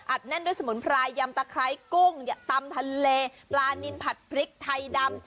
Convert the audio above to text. แน่นด้วยสมุนไพรยำตะไคร้กุ้งตำทะเลปลานินผัดพริกไทยดำ